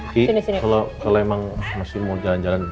ki kalau emang mau jalan jalan